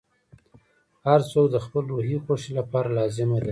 • هر څوک د خپل روحي خوښۍ لپاره لازمه ده.